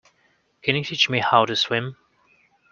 Can you teach me how to swim?